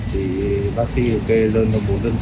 thì bác sĩ kê lên bốn loại thuốc